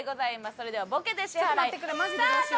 それではボケで支払いスタート！